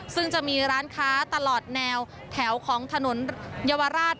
ซึ่งจะมีร้านค้าตลอดแนวแถวของถนนเยาวราช